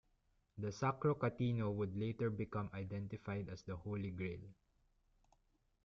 The "Sacro Catino" would later become identified as the Holy Grail.